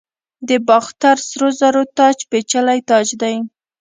د باختر سرو زرو تاج پیچلی تاج دی